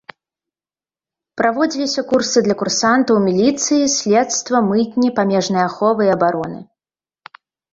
Праводзіліся курсы для курсантаў міліцыі, следства, мытні, памежнай аховы і абароны.